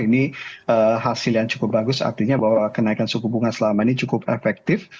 ini hasil yang cukup bagus artinya bahwa kenaikan suku bunga selama ini cukup efektif